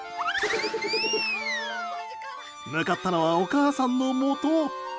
向かったのは、お母さんのもと。